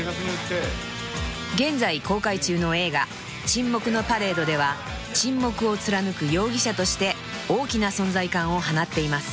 『沈黙のパレード』では沈黙を貫く容疑者として大きな存在感を放っています］